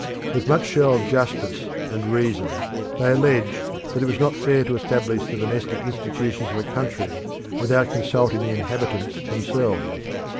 With much show of justice and reason they alleged that it was not fair to establish the domestic institutions of a country without consulting the inhabitants themselves.